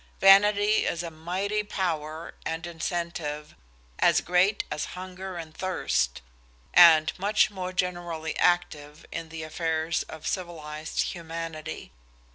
Vanity is a mighty power and incentive, as great as hunger and thirst, and much more generally active in the affairs of civilized humanity.